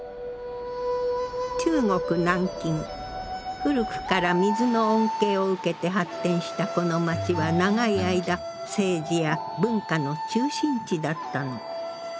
古くから水の恩恵を受けて発展したこの街は長い間政治や文化の中心地だったの。